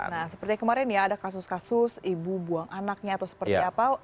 nah seperti kemarin ya ada kasus kasus ibu buang anaknya atau seperti apa